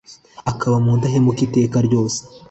akaba mudahemuka iteka ryose